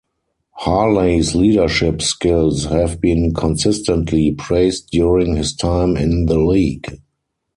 Harley's leadership skills have been consistently praised during his time in the league.